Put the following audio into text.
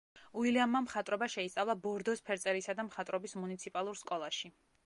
უილიამმა მხატვრობა შეისწავლა ბორდოს ფერწერისა და მხატვრობის მუნიციპალურ სკოლაში.